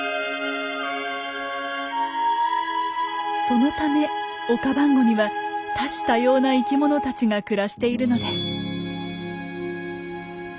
そのためオカバンゴには多種多様な生きものたちが暮らしているのです。